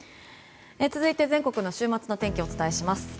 続いて、全国の週末の天気をお伝えします。